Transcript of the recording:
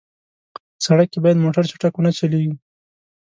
سړک کې باید موټر چټک ونه چلېږي.